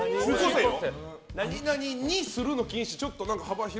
何々にするの禁止。